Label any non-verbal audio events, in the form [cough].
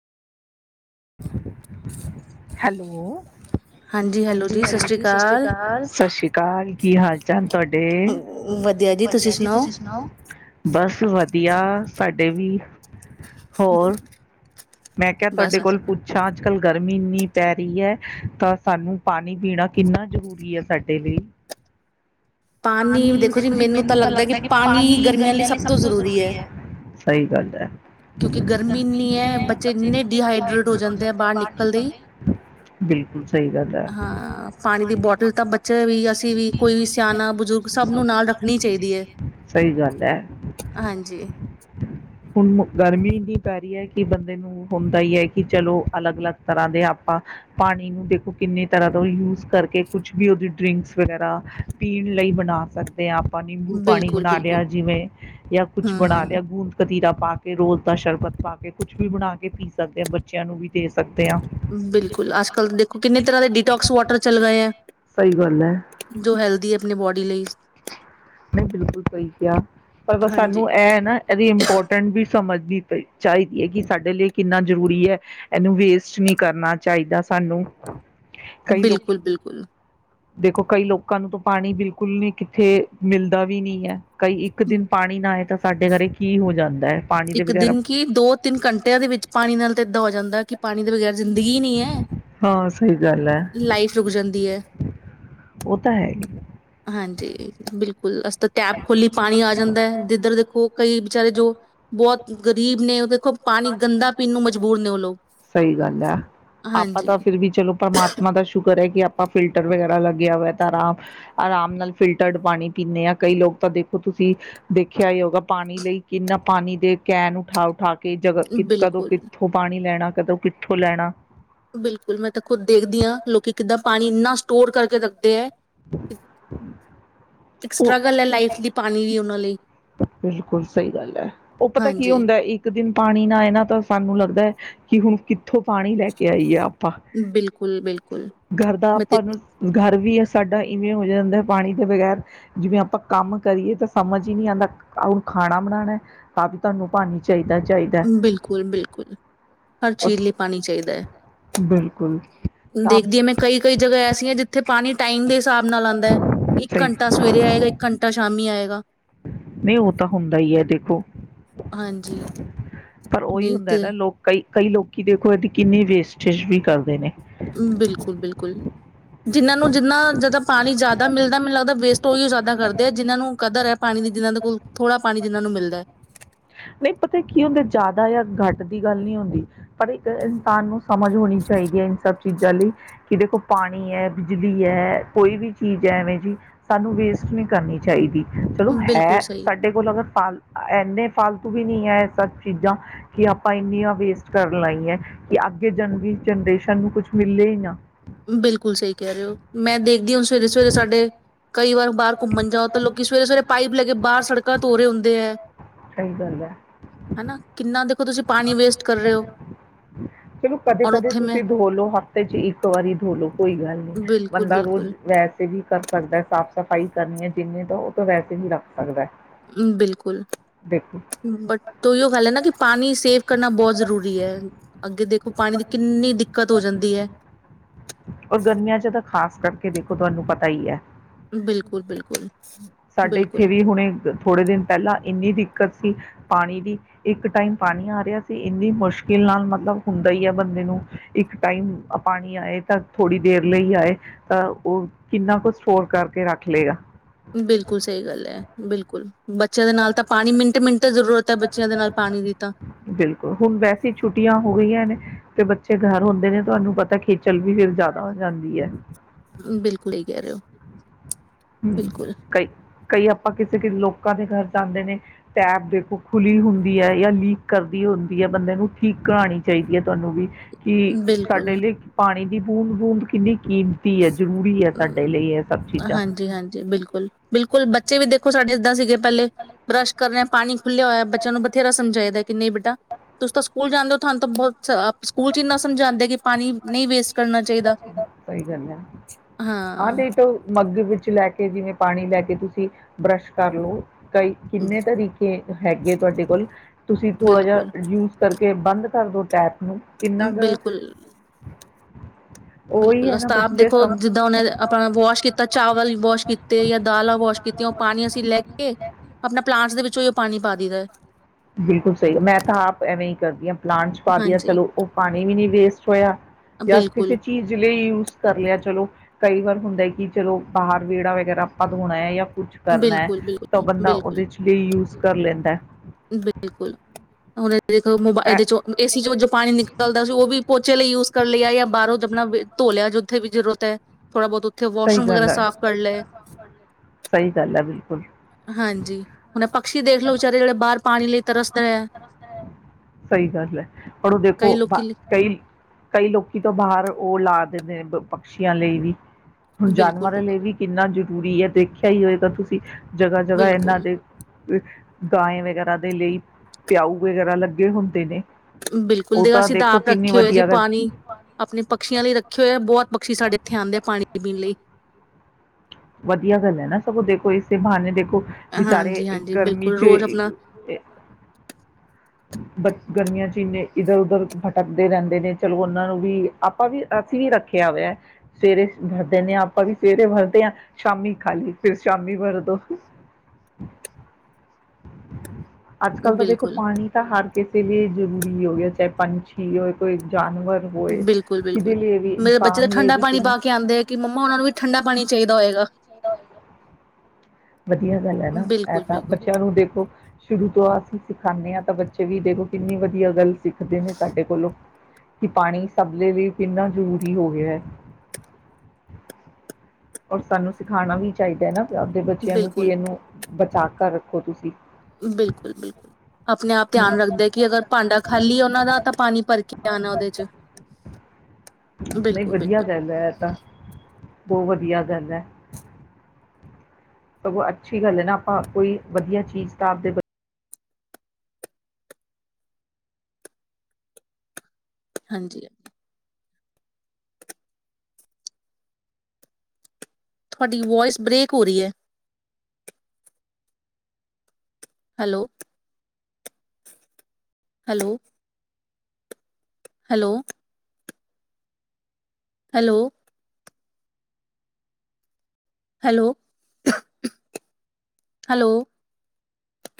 Hello ਹਾਂਜੀ hello ਜੀ ਸਤਿ ਸ਼੍ਰੀ ਅਕਾਲ, ਸਤਿ ਸ਼੍ਰੀ ਅਕਾਲ। ਕੀ ਹਾਲ ਚਾਲ ਤੁਹਾਡੇ ਵਧੀਆ ਜੀ ਤੁਸੀਂ ਸੁਣਾਓ ਬਸ ਵਧ ਵਧੀਆ ਸਾਡੇ ਵੀ ਹੋਰ ਮੈਂ ਕਿਹਾ ਬਸ ਤੁਹਾਡੇ ਕੋਲ ਬ- ਪੁੱਛਾਂ ਅੱਜ ਕੱਲ੍ਹ ਗੱਲ ਗਰਮੀ ਇਨੀ ਪੈ ਰਹੀ ਹੈ, ਤਾਂ ਸਾਨੂੰ ਪਾਣੀ ਪੀਣਾ ਕਿੰਨਾ ਜ਼ਰੂਰੀ ਹੈ, ਸਾਡੇ ਲਈ ਪਾਣੀ ਦੇਖੋ ਜੀ ਮੈਨੂੰ ਤਾ ਲਗਦਾ ਪਾਣੀ ਹੀ ਗਰਮੀਆ ਲਈ ਸਭ ਤੋ ਜਰੂਰੀ ਹੈ, ਸਹੀ ਗਲ ਹੈ ਕਿਉਂਕਿ ਗਰਮੀ ਇੰਨੀ ਹੈ ਬੱਚੇ ਇੰਨੇ ਡੀਹਾਈਡਰੇਟ ਡਿਹਾਈਡਰੈਟ ਹੋ ਆ ਜਾਂਦੇ ਬਾਹਰ ਨਿਕਲਦੇ ਹੀ, ਬਿਲਕੁਲ ਸਹੀ ਗੱਲ ਹੈ, ਹਾਂ ਪਾਣੀ ਦੀ ਬੋਟਲ ਤਾਂ ਬੋਤਲ ਬੱਚੇ ਵੀ, ਅਸੀਂ ਵੀ ਕੋਈ ਸਿਆਣਾ ਬਜ਼ੁਰਗ ਸਭ ਨੂੰ ਨਾਲ ਰੱਖਣੀ ਚਾਹੀਦੀ ਹੈ ਸਹੀ ਗੱਲ ਏ ਹਾਂਜੀ ਹੁਣ ਗਰਮੀ ਇਨੀ ਪੈ [unintelligible] ਨੂੰ ਹੁੰਦਾ ਹੀ ਹੈ, ਕਿ ਚਲੋ ਅਲੱਗ-ਅਲੱਗ ਤਰ੍ਹਾਂ ਦੇ ਆਪਾਂ ਪਾਣੀ ਨੂੰ ਦੇਖੋ ਕਿੰਨੇ ਤਰ੍ਹਾਂ ਦਾ ਯੂਜ ਕਰਕੇ ਕੁਛ ਵੀ ਉਹਦੀ ਡਰਿੰਕਸ ਵਗੈਰਾ ਪੀਣ ਲਈ ਬਣਾ ਸਕਦੇ ਤੇ ਆਪਾਂ ਨਿੰਬੂ ਪਾਣੀ ਬਿਲਕੁਲ ਬਣਾ ਬਿਲਕੁਲ ਲਿਆ ਜਿਵੇਂ ਜਾਂ ਕੁੱਛ ਹਮ ਬਣਾ ਹਮ ਲਿਆ ਗੂੰਦ ਕਤੀਰਾ ਪਾ, ਕੇ ਰੋਜ਼ ਦਾ ਸ਼ਰਬਤ ਪਾ, ਕੇ ਕੁਛ ਕੁਛ ਵੀ ਬਣਾ ਕੇ ਪੀ ਸਕਦੇ ਹਾਂ ਬੱਚਿਆਂ ਨੂੰ ਵੀ ਦੇ ਸਕਦੇ ਹਾਂ। ਬਿਲਕੁਲ ਅੱਜ ਕੱਲ ਦੇਖੋ ਕਿੰਨੇ ਤਰ੍ਹਾਂ ਦੇ ਡੀਟੋਕਸ ਵਾਟਰ ਚਲ ਰਹੇ ਆ, ਸਹੀ ਗੱਲ ਹੈ। ਜੋ ਹੈਲਦੀ ਆ, ਆਪਣੀ ਬੋਡੀ ਲਈ ਨਹੀਂ ਬਿਲਕੁਲ ਸਹੀ ਕਿਹਾ ਪਰ ਹਾਂਜੀ ਸਾਨੂੰ ਇਹ ਨਾ ਇਹਦੀ ਇੰਪੋਰਟੈਂਟ ਸਮਝਣੀ ਚਾਹੀਦੀ ਹੈ, ਕਿ ਸਾਡੇ ਲਈ ਕਿੰਨਾ ਜ਼ਰੂਰੀ ਹੈ, ਇਹਨੂੰ ਵੇਸਟ ਨਹੀਂ ਕਰਨਾ ਚਾਹੀਦਾ ਸਾਨੂੰ ਕਈ ਲੋਕ ਬਿਲਕੁਲ-ਬਿਲਕੁਲ ਦੇਖੋ ਕਈ ਲੋਕਾਂ ਨੂੰ ਤਾਂ ਪਾਣੀ ਬਿਲਕੁਲ ਨਹੀਂ ਉੱਥੇ ਮਿਲਦਾ ਵੀ ਨਹੀਂ ਹੈ ਕਈ ਇੱਕ ਦਿਨ ਪਾਣੀ ਨਾ ਆਏ ਤਾਂ ਸਾਡੇ ਘਰੇ ਕੀ ਹੋ ਜਾਂਦਾ ਹੈ ਪਾਣੀ ਦੇ ਇੱਕ ਬਗੈਰਾ ਦਿਨ ਕਿ ਦੋ ਤਿੰਨ ਘੰਟਿਆਂ ਦੇ ਵਿੱਚ ਪਾਣੀ ਨਾਲ ਤਾਂ ਇੱਦਾਂ ਹੋ ਜਾਂਦਾ ਕਿ ਪਾਣੀ ਦੇ ਬਗੈਰ ਜ਼ਿੰਦਗੀ ਨਹੀਂ ਹੈ, ਹਾਂ ਸਹੀ ਗੱਲ ਹੈ ਲਾਈਫ ਰੁਕ ਜਾਂਦੀ ਹੈ, ਉਹ ਤਾਂ ਹੈ ਹੀ ਹਾਂਜੀ ਬਿਲਕੁਲ ਤਾਂ ਟੈਪ ਖੋਲੀ ਪਾਣੀ ਆ ਜਾਂਦਾ ਹੈ, ਜਿੱਧਰ ਦੇਖੋ ਕਈ ਵਿਚਾਰੇ ਜੋ ਬਹੁਤ ਗ਼ਰੀਬ ਨੇ ਉਹ ਦੇਖੋ ਪਾਣੀ ਗੰਦਾ ਪੀਣ ਨੂੰ ਮਜਬੂਰ ਨੇ ਉਹ ਲੋਕ, ਸਹੀ ਗੱਲ ਹੈ ਹਾਂਜੀ ਕਰੇ ਕਿ ਆਪਾਂ ਫਿਲਟਰ ਵਗੈਰਾ ਲੱਗਿਆ ਹੋਵੇ ਤਾਂ ਆਰਾਮ ਆਰਾਮ ਨਾਲ ਫਿਲਟਰਡ ਪਾਣੀ ਪੀਂਦੇ ਹਾਂ ਕਈ ਲੋਕ ਤਾਂ ਦੇਖੋ ਤੁਸੀਂ ਦੇਖਿਆ ਹੀ ਹੋਗਾ ਪਾਣੀ ਲਈ ਕਿੰਨਾ ਪਾਣੀ ਦੇ ਕੈਨ ਉਠਾ ਉਠਾ ਕੇ ਕੇ ਜਗ ਕਿ ਕਦੋਂ ਬਿਲਕੁਲ ਕਿੱਥੋਂ ਪਾਣੀ ਲੈਣਾ ਕਦੋਂ ਕਿੱਥੋਂ ਲੈਣਾ ਬਿਲਕੁਲ, ਮੈਂ ਤਾਂ ਖੁਦ ਦੇਖਦੀ ਹਾਂ ਲੋਕੀ ਕਿੱਦਾਂ ਪਾਣੀ ਇੰਨਾ ਸਟੋਰ ਕਰ ਕੇ ਰੱਖਦੇ ਐ [inaudible] ਓ ਲਈ ਬਿਲਕੁੱਲ ਸਹੀ ਗੱਲ ਐ ਓ ਪਤਾ ਕੀ ਹਾਂਜੀ ਹੁੰਦਾ ਇੱਕ ਦਿਨ ਪਾਣੀ ਨਾ ਆਏ ਨਾ ਤਾਂ ਸਾਨੂੰ ਲੱਗਦਾ ਐ ਕਿ ਹੁਣ ਕਿੱਥੋਂ ਪਾਣੀ ਲੈ ਕੇ ਆਈਏ ਬਿਲਕੁਲ ਬਿਲਕੁਲ ਘਰ ਦਾ ਮੈਂ ਤੇ ਆਪਾਂ ਨੂੰ ਘਰ ਵੀ ਸਾਡਾ ਇਵੇਂ ਹੋ ਜਾਂਦਾ ਐ ਪਾਣੀ ਤੋਂ ਬਗੈਰ ਜਿਵੇਂ ਆਪਾਂ ਕੰਮ ਕਰੀਏ ਤਾਂ ਸਮਝ ਈ ਨੀ ਆਉਂਦਾ [unintelligible] ਖਾਣਾ ਬਣਾਉਣਾ ਤਾਂ ਵੀ ਤੁਹਾਨੂੰ ਪਾਣੀ ਚਾਹੀਦਾ ਚਾਹੀਦਾ ਬਿਲਕੁੱਲ ਬਿਲਕੁੱਲ ਹਰ ਔਰ ਚੀਜ਼ ਲਈ ਪਾਣੀ ਚਾਹੀਦਾ ਐ ਬਿਲਕੁਲ ਤਾਂ ਦੇਖਦੀ ਆ ਮੈਂ ਕਈ-ਕਈ ਜਗ੍ਹਾ ਐਸੀਆਂ ਜਿੱਥੇ ਪਾਣੀ ਟਾਈਮ ਦੇ ਹਿਸਾਬ ਨਾਲ ਆਂਦਾ ਇੱਕ ਸਹੀ ਘੰਟਾ ਸਵੇਰੇ ਆਏਗਾ ਇੱਕ ਘੰਟਾ ਸ਼ਾਮੀ ਆਏਗਾ ਨਹੀਂ ਓ ਤਾਂ ਹੁੰਦਾ ਹੀ ਆ ਦੇਖੋ ਹਾਂਜੀ ਪਰ ਓਹੀ ਨਹੀਂ ਹੁੰਦਾ ਐ ਤੇ ਨਾ ਲੋਕ ਕਈ ਲੋਕੀ ਦੇਖੋ ਇਹਦੀ ਕਿੰਨੀ ਵੇਸਟੇਜ ਵੀ ਕਰਦੇ ਨੇ ਬਿਲਕੁੱਲ ਬਿਲਕੁੱਲ ਜਿਨਾਂ ਨੂੰ ਜਿੰਨਾ ਜਾਦਾਂ ਪਾਣੀ ਜ਼ਿਆਦਾ ਮਿਲਦਾ ਮੈਨੂੰ ਲੱਗਦਾ ਵੇਸਟ ਓਹੀ ਓ ਜ਼ਿਆਦਾ ਕਰਦੇ ਆ ਜਿਹਨਾਂ ਨੂੰ ਕਦਰ ਐ ਪਾਣੀ ਦੀ ਜਿਹਨਾਂ ਦੇ ਕੋਲ ਥੋੜ੍ਹਾ ਪਾਣੀ ਜਿਹਨਾਂ ਨੂੰ ਮਿਲਦਾ ਨਹੀਂ ਪਤਾ ਕੀ ਹੁੰਦੇ ਜ਼ਿਆਦਾ ਜਾਂ ਗਟ ਦੀ ਗੱਲ ਨੀ ਹੁੰਦੀ ਪਰ ਇੱਕ ਇਨਸਾਨ ਨੂੰ ਸਮਝ ਹੋਣੀ ਚਾਹੀਦੀ ਐ ਇਨ ਸਭ ਚੀਜ਼ਾਂ ਲਈ ਕਿ ਦੇਖੋ ਪਾਣੀ ਐ, ਬਿਜਲੀ ਐ, ਕੋਈ ਵੀ ਚੀਜ਼ ਐ ਐਵੇਂ ਜੀ ਸਾਨੂੰ ਵੇਸਟ ਨਹੀਂ ਕਰਨੀ ਚਾਹੀਦੀ। ਚਲੋ ਹੈ ਬਿਲਕੁਲ ਸਹੀ ਸਾਡੇ ਕੋਲ ਅਗਰ ਫਲ ਇੰਨੇ ਫਾਲਤੂ ਵੀ ਨਹੀਂ ਹੈ ਏ ਸਭ ਚੀਜ਼ਾਂ ਕਿ ਆਪਾਂ ਇੰਨੀਆਂ ਵੇਸਟ ਕਰਨ ਲਾਈ ਐ ਕਿ ਅੱਗੇ ਜਨੀ ਜਨਰੇਸ਼ਨ ਨੂੰ ਕੁੱਛ ਮਿਲੇ ਈ ਨਾ। ਬਿਲਕੁੱਲ ਸਹੀ ਕਹਿ ਰਹੇ ਹੋ ਮੈਂ ਦੇਖਦੀ [unintelligible] ਸਵੇਰੇ-ਸਵੇਰੇ ਸਾਡੇ ਕਈ ਵਾਰ ਬਾਹਰ ਘੁੰਮਣ ਜਾਓ ਤਾਂ ਲੋਕੀ ਸਵੇਰੇ ਸਵੇਰੇ ਪਾਈਪ ਲੇਕੇ ਬਾਹਰ ਸੜਕਾਂ ਧੋਰੇ ਹੁੰਦੇ ਐ ਸਹੀ ਗੱਲ ਹੈ ਹਨਾ ਕਿੰਨਾ ਦੇਖੋ ਤੁਸੀਂ ਪਾਣੀ ਵੇਸਟ ਕਰ ਰਹੇ ਓ ਚਲੋ ਔਰ ਕਦੇ-ਕਦੇ ਉੱਥੇ ਮੈਂ ਤੁਸੀਂ ਧੋ ਲਓ, ਹਫ਼ਤੇ 'ਚ ਇੱਕ ਵਾਰੀ ਧੋਲੋ ਕੋਈ ਗੱਲ ਨੀ ਬਿਲਕੁਲ ਬੰਦਾ ਬਿਲਕੁਲ ਰੋਜ਼ ਵੈਸੇ ਵੀ ਕਰ ਸਕਦਾ ਸਾਫ਼ ਸਫ਼ਾਈ ਕਰਨੀ ਹੈ ਜਿਨੇ ਤੋਂ ਉਹ ਤੋ ਵੈਸੇ ਹੀ ਰੱਖ ਸਕਦਾ ਬਿਲਕੁੱਲ ਦੇਖੋ। ਬਟ ਤੋਂਈਓ ਗੱਲ ਐ ਨਾ ਕਿ ਪਾਣੀ ਸੇਵ ਕਰਨਾ ਬਹੁਤ ਜ਼ਰੂਰੀ ਐ ਅੱਗੇ ਦੇਖੋ ਪਾਣੀ ਦੀ ਕਿੰਨੀ ਦਿੱਕਤ ਹੋ ਜਾਂਦੀ ਐ ਔਰ ਗਰਮੀਆਂ 'ਚ ਤਾਂ ਖ਼ਾਸ ਕਰਕੇ ਦੇਖੋ ਤੁਹਾਨੂੰ ਪਤਾ ਹੀ ਐ ਬਿਲਕੁਲ ਬਿਲਕੁਲ ਸਾਡੇ ਇੱਥੇ ਬਿਲਕੁਲ ਵੀ ਹੁਣੇ ਥੋੜੇ ਦਿਨ ਪਹਿਲਾਂ ਇੰਨੀ ਦਿੱਕ ਕਤ ਸੀ ਪਾਣੀ ਦੀ ਇੱਕ ਟਾਈਮ ਪਾਣੀ ਆ ਰਿਹਾ ਸੀ ਇੰਨੀ ਮੁਸ਼ਕਿਲ ਨਾਲ ਮਤਲਬ ਹੁੰਦਾ ਹੀ ਆ ਬੰਦੇ ਨੂੰ ਇੱਕ ਟਾਈਮ ਪਾਣੀ ਆਏ ਤਾਂ ਥੋੜ੍ਹੀ ਦੇਰ ਲਈ ਆਏ ਤਾਂ ਉਹ ਕਿੰਨਾ ਕੁਛ ਸਟੋਰ ਕਰ ਕੇ ਰੱਖ ਲੇਗਾ। ਬਿਲਕੁੱਲ ਸਹੀ ਗੱਲ ਐ ਬਿਲਕੁੱਲ। ਬੱਚਿਆਂ ਦੇ ਨਾਲ ਤਾਂ ਪਾਣੀ ਮਿੰਟ-ਮਿੰਟ ਜ਼ਰੂਰ [inaudible] ਬਿਲਕੁੱਲ ਹੁਣ ਵੈਸੇ ਈ ਛੁੱਟੀਆਂ ਹੋ ਗਈਆਂ ਨੇ ਤੇ ਬੱਚੇ ਘਰ ਹੁੰਦੇ ਨੇ ਤੁਹਾਨੂੰ ਪਤਾ ਖੇਚਲ ਵੀ ਫਿਰ ਜ਼ਿਆਦਾ ਹੋ ਜਾਂਦੀ ਐ ਬਿਲਕੁਲ ਹੀ ਕਹਿ ਰਹੇ ਹੋ ਹੂੰ ਬਿਲਕੁਲ ਕਈ ਕਈ ਆਪਾਂ ਕਿਸੇ ਕਿਸ ਲੋਕਾਂ ਦੇ ਘਰ ਜਾਂਦੇ ਨੇ ਟੈਬ ਦੇਖੋ, ਖੁੱਲੀ ਹੁੰਦੀ ਐ ਜਾਂ ਲੀਕ ਕਰਦੀ ਹੁੰਦੀ ਐ, ਬੰਦੇ ਨੂੰ ਠੀਕ ਕਰਾਣੀ ਚਾਈਦੀ ਐ। ਤੁਆਨੂੰ ਵੀ ਕਿ ਸਾਡੇ ਬਿਲਕੁਲ ਲਈ ਪਾਣੀ ਦੀ ਬੂੰਦ ਬੂੰਦ ਕਿੰਨੀ ਕੀਮਤੀ ਐ, ਜ਼ਰੂਰੀ ਐ ਸਾਡੇ ਅ, ਲਈ ਇਹ ਸਭ ਚੀਜ਼ਾਂ। ਹਾਂਜੀ ਹਾਂਜੀ ਬਿਲਕੁਲ, ਬਿਲਕੁਲ ਬੱਚੇ ਵੀ ਦੇਖੋ ਸਾਡੇ ਏਦਾਂ ਸੀਗੇ ਪਹਿਲੇ ਬਰੱਸ਼ ਕਰ ਪਾਣੀ ਖੁੱਲਿਆ ਹੋਇਆ ਬੱਚਿਆਂ ਨੂੰ ਬਥੇਰਾ ਸਮਝਾਈਦਾ ਕਿ ਨਹੀਂ ਬੇਟਾ ਤੁਸੀਂ ਤਾਂ ਸਕੂਲ ਜਾਂਨੇ ਹੋ ਤੁਹਾਨੂੰ ਤਾਂ ਬਹੁਤ ਸਕੂਲ ਚ ਇਨਾ ਸਮਝਾਂਦੇ ਕਿ ਪਾਣੀ ਨਹੀਂ ਵੇਸ ਕਰਨਾ ਚਾਹੀਦਾ ਸਹੀ ਗੱਲ ਐ। ਹਾਂ ਆਹਦੇ ਤੋਂ ਮਗ ਵ ਲੈ ਕੇ ਜਿਵੇਂ ਪਾਣੀ ਲੈ ਕੇ ਤੁਸੀਂ ਬਰੱਸ਼ ਕਰ ਲਓ। ਕਈ ਕਿੰਨੇ ਤਰੀਕੇ ਹੈਗੇ, ਤੁਹਾਡੇ ਕੋਲ ਤੁਸੀਂ ਥੋੜ੍ਹਾ ਜਿਹਾ ਬਿਲਕੁਲ, ਯੂਜ ਕਰ ਕੇ ਬੰਦ ਕਰਦੋ ਟੈਪ ਨੂੰ ਕਿੰਨਾ ਕੁ ਬਿਲਕੁਲ [unintelligible] ਉਹੀ ਬਿਲਕੁਲ ਹੈ ਨਾ ਅਸਤਾ ਆਪ ਬੱਚੇ ਦੇਖੋ, ਸਮ ਜਿੱਦਾਂ ਉਹਨੇ ਆਪਣਾ ਵਾਸ਼ ਕੀਤਾ ਚਾਵਲ ਵਾਸ਼ ਕੀਤੇ ਜਾਂ ਦਾਲਾਂ ਵਾਸ਼ ਕੀਤੀਆਂ ਉਹ ਪਾਣੀ ਅਸੀਂ ਲੈ ਕੇ ਆਪਣਾ ਪਲਾਂਟਸ ਦੇ ਵਿੱਚੋਂ ਪਾਣੀ ਪਾ ਦਈਦਾ। ਬਿਲਕੁਲ ਸਹੀ ਮੈਂ ਤਾਂ ਆਪ ਐਵੇਂ ਹੀ ਕਰਦੀ ਆਂ। ਪਲਾਂਟ ਚ ਪਾ ਦਿਆਂ ਹਾਂਜੀ ਚਲੋ ਉਹ ਪਾਣੀ ਵੀ ਨਹੀਂ ਵੇਸਟ ਹੋਇਆ ਜਾਂ ਕਿਸੇ ਬਿਲਕੁਲ, ਚੀਜ਼ ਲਈ ਯੂਜ਼ ਕਰ ਲਿਆ ਚਲੋ। ਕਈ ਵਾਰ ਹੁੰਦਾ ਕਿ ਚਲੋ ਬਾਹਰ ਵਿਹੜਾ ਵਗੈਰਾ ਆਪਾਂ ਧੋਣਾ ਐ ਜਾਂ ਕੁਛ ਕਰਨਾ ਐ, ਬਿਲਕੁਲ, ਤਾਂ ਬਿਲਕੁਲ, ਬੰਦਾ ਬਿਲਕੁਲ, ਉਹਦੇ ਚ ਲਈ ਯੂਜ਼ ਕਰ ਲੈਂਦਾ। ਬਿਲਕੁਲ ਹੁਣੇ ਖੋ ਮੋਬ ਇਹਦੇ ਚੋਂ ਏਸੀ ਚੋਂ ਜੋ ਪਾਣੀ ਨਿਕਲਦਾ ਸੀ ਉਹ ਵੀ ਪੋਚੇ ਲਈ ਯੂਜ ਕਰ ਲਿਆ ਜਾਂ ਬਾਹਰੋਂ ਆਪਣਾ ਧੋ ਲਿਆ ਜੋ ਉੱਥੇ ਵੀ ਜ਼ਰੂਰਤ ਐ। ਥੋੜਾ ਬੋਤ ਓਥੇ ਸਹੀ ਵਾਸ਼ਰੂਮ ਵਗੈਰਾ ਗੱਲ ਹੈ। ਸਾਫ ਕਰ ਲਏ, ਲਿਆ। ਸਹੀ ਗੱਲ ਹੈ ਬਿਲਕੁਲ [unintelligible] ਹਾਂਜੀ ਪਕਸ਼ੀ ਦੇਖ ਲਓ ਵਿਚਾਰੇ ਜਿਹੜੇ ਬਾਹਰ ਪਾਣੀ ਲਈ ਤਰਸਦੇ ਐ। ਉਹ ਕਈ ਕਈ ਲੋਕੀ ਤੋਂ ਬਾਹਰ ਉਹ ਲਾ ਦਿੰਦੇ ਨੇ ਪਕਸ਼ੀਆਂ ਲਈ ਵੀ ਹੁਣ ਬਿਲਕੁਲ, ਜਾਨਵਰਾਂ ਬਿਲਕੁਲ ਲਈ ਵੀ ਕਿੰਨਾ ਜ ਪੂਰੀ ਹੈ, ਦੇਖਿਆ ਹੀ ਹੋਏਗਾ ਤੁਸੀਂ। ਜਗ੍ਹਾ-ਜਗ੍ਹਾ ਇਹਨਾਂ ਬਿਲਕੁਲ, ਦੇ ਗਾਂਏ ਵਗੈਰਾ ਦੇ ਲਈ ਪਿਆਊ ਵਗੈਰਾ ਲੱਗੇ ਹੁੰਦੇ ਨੇ। ਬਿਲਕੁਲ ਉਹ ਦੇ ਅਸੀਂ ਤਾਂ ਦੇਖੋ ਆਪ ਕਿੰਨੀ ਰੱਖੇ ਹੋਏ ਜੀ ਵਧੀਆ ਗੱਲ ਪਾਣੀ ਆਪਣੇ ਪਕਛੀਆਂ ਲਈ ਰੱਖੇ ਹੋਏ ਆ ਬਹੁਤ ਪਕਸ਼ੀ ਸਾਡੇ ਇੱਥੇ ਆਂਦੇ ਆ ਪਾਣੀ ਪੀਣ ਲਈ ਵਧੀਆ ਗੱਲ ਹੈ, ਨਾ ਸਗੋਂ ਦੇਖੋ ਇਸੇ ਬਹਾਨੇ ਦੇਖੋ ਬਚਾਰੇ ਹਾਂਜੀ, ਹਾਂਜੀ ਗਰਮੀ ਬਿਲਕੁਲ ਚ ਰੋਜ਼ ਆਪਣਾ ਬ ਗਰਮੀਆਂ ਚ ਇੰਨੇ ਇੱਧਰ ਉਧਰ ਭਟਕਦੇ ਰਹਿੰਦੇ ਨੇ, ਚਲੋ ਉਹਨਾਂ ਨੂੰ ਵੀ ਆਪਾਂ ਵੀ ਅਸੀਂ ਵੀ ਰੱਖਿਆ ਹੋਇਆ ਸਵੇਰੇ ਵਰ ਦੇਨੇ ਹਾਂ, ਆਪਾਂ ਵੀ ਸਵੇਰੇ ਵਰਦੇ ਹਾਂ। ਸ਼ਾਮੀ ਖਾਲੀ ਫਿਰ ਸ਼ਾਮੀ ਵਰਦੋ। ਅੱਜ- ਕੱਲ੍ਹ ਤਾਂ ਦੇਖੋ ਬਿਲਕੁਲ, ਪਾਣੀ ਤਾਂ ਹਰ ਕਿਸੇ ਲਈ ਜ਼ਰੂਰੀ ਹੋ ਗਿਆ ਚਾਹੇ ਪੰਛੀ ਹੋ ਕੋਈ ਜਾਨ ਬਿਲਕੁਲ- ਬਿਲਕੁਲ ਮੇਰੇ ਬੱਚੇ ਤਾਂ ਇਨਸਾਨ ਲਈ ਠੰਡਾ ਵੀ ਪਾਣੀ ਕਿੰਨਾ ਪਾ ਕੇ ਆਂਦੇ ਹੈ, ਕਿ ਮੰਮਾ ਉਹਨਾ ਨੂੰ ਵੀ ਠੰਡਾ ਪਾਣੀ ਚਾਹੀਦਾ। ਦ ਹੋਏਗਾ, ਦਾ ਵਧੀਆ ਗੱਲ ਹੈ, ਨਾ ਇਹ ਬਿਲਕੁਲ, ਤਾਂ ਬਿਲਕੁਲ। ਬੱਚਿਆਂ ਨੂੰ ਦੇਖੋ ਸ਼ੁਰੂ ਤੋਂ ਅਸੀਂ ਸਿਖਾਂਦੇ ਹਾਂ ਤਾਂ ਬੱਚੇ ਵੀ ਦੇਖੋ ਕਿੰਨੀ ਵਧੀਆ ਗੱਲ ਸਿੱਖਦੇ ਨੇ ਤੁਹਾਡੇ ਕੋਲੋਂ ਕਿ ਪਾਣੀ ਸਭ ਦੇ ਲਈ ਕਿੰਨਾ ਜ਼ਰੂਰੀ ਹੋ ਗਿਆ ਹੈ। ਔਰ ਸਾਨੂੰ ਸਿਖਾਣਾ ਵੀ ਚਾਹੀਦਾ ਨਾ। ਆਪਦੇ ਬੱਚਿਆਂ ਨੂੰ ਕੀ ਬਿਲਕੁਲ, ਇਹਨੂੰ ਚਾਕ ਘਰ ਰੱਖੋ ਤੁਸੀਂ ਬਿਲਕੁਲ- ਬਿਲਕੁਲ ਆਪਣੇ ਆਪ ਧਿਆਨ ਰੱਖਦੇ ਕਿ ਅਗਰ ਭਾਂਡਾ ਖਾਲੀ ਐ ਉਹਨਾਂ ਦਾ ਤਾਂ ਪਾਣੀ ਭਰ ਕੇ ਆਣਾ ਉਹਦੇ ਚ ਨਹੀਂ ਬਿਲਕੁਲ- ਵਧੀਆ ਬਿਲਕੁਲ। ਗੱਲ ਹੈ ਇਹ ਤਾਂ ਬਹੁਤ ਵਧੀਆ ਗੱਲ ਹੈ। ਸਗੋਂ ਅੱਛੀ ਗੱਲ ਹੈ, ਨਾ ਆਪਾਂ ਕੋਈ ਵਧੀਆ ਚੀਜ਼ ਤਾਂ ਆਪਦੇ ਬੱਚਿ ਹਾਂਜੀ, ਹਾਂ। ਤੁਹਾਡੀ ਵੋਇਸ ਬਰੇੇਕ ਹੋ ਰਹੀ ਹੈ। Hello, hello, hello, hello, hello, hello